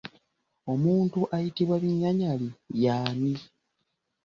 Omuntu ayitibwa “Binyanyali" y'ani?